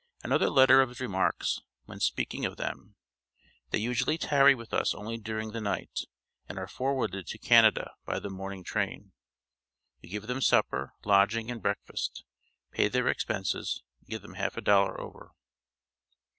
Another letter of his remarks, when speaking of them: "They usually tarry with us only during the night, and are forwarded to Canada by the morning train. We give them supper, lodging, and breakfast; pay their expenses, and give them a half dollar over."